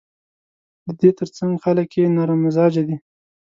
د دې ترڅنګ خلک یې نرم مزاجه دي.